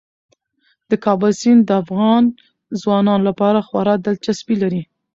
د کابل سیند د افغان ځوانانو لپاره خورا دلچسپي لري.